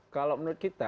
kalau menurut kita